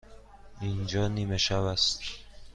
اینجا نیمه شب است.